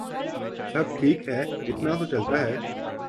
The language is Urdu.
سب ٹھیک ہے ، اتنا تو چلتا ہے ۔